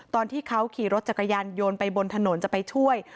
ตอนที่เขาขี่รถจักรยานโยนไปบนถนนจะไปช่วย